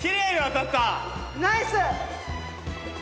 ナイス！